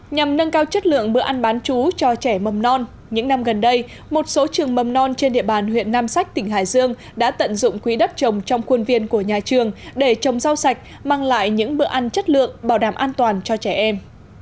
nhằm nâng cao chất lượng bữa ăn bán chú cho trẻ mầm non những năm gần đây một số trường mầm non trên địa bàn huyện nam sách tỉnh hải dương đã tận dụng quỹ đất trồng trong khuôn viên của nhà trường để trồng rau sạch mang lại những bữa ăn chất lượng bảo đảm an toàn cho trẻ em